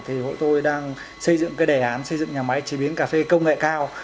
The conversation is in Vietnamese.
thì hội tôi đang xây dựng cái đề án xây dựng nhà máy chế biến cà phê công nghệ cao